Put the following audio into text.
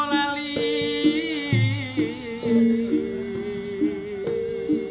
oh yududu tata sing berjonggok lali